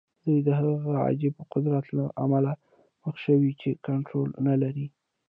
دوی د هغه عجيبه قدرت له امله مخ شوي چې کنټرول نه لري.